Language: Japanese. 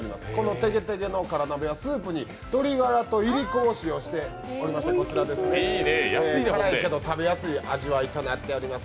てげてげの辛鍋はスープに鶏ガラといりこを使用しておりまして、辛いけど、食べやすい味わいとなっています。